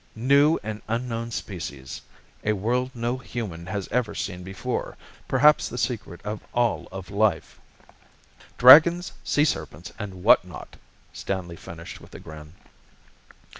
New and unknown species a world no human has ever seen before perhaps the secret of all of life " "Dragons, sea serpents, and what not!" Stanley finished with a grin.